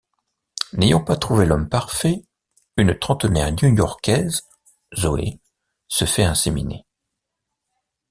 N'ayant pas trouvé l'homme parfait, une trentenaire newyorkaise, Zoé, se fait inséminer.